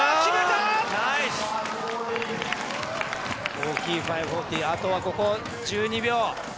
大きい５４０、あとはここ１２秒。